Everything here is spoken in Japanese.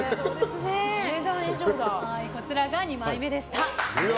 こちらが２枚目でした。